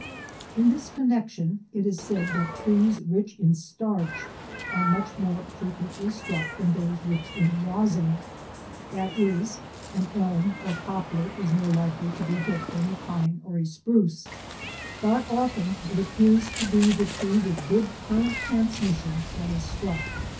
In this connection it is said that trees rich in LIGHTNING AND THUNDER 125 starch are much more frequently struck than those rich in rosin; that is, an elm or poplar is more likely to be hit than a pine or a spruce. But often it ap pears to be the tree with good current transmission that is struck.